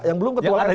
yang belum ketua